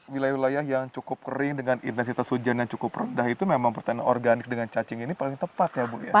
wilayah wilayah yang cukup kering dengan intensitas hujan yang cukup rendah itu memang pertanian organik dengan cacing ini paling tepat ya bu ya